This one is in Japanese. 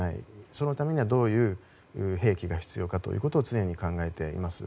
そのためにはどういう兵器が必要かを常に考えています。